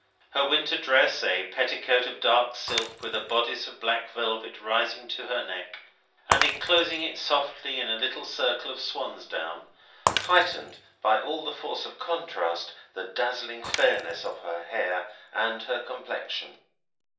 Her winter dress a petticoat of dark silk, with a bodice of black velvet rising to her neck, and enclosing it softly in a little circle of swansdown heightened, by all the force of contrast, the dazzling fairness of her hair and her complexion.